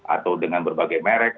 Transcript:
atau dengan berbagai merek